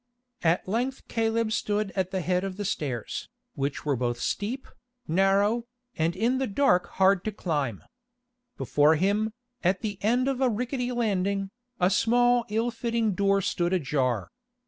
At length Caleb stood at the head of the stairs, which were both steep, narrow, and in the dark hard to climb. Before him, at the end of a rickety landing, a small ill fitting door stood ajar.